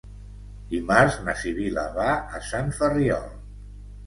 Dimarts na Sibil·la va a Sant Ferriol.